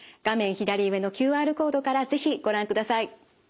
左上のＱＲコードから是非ご覧ください。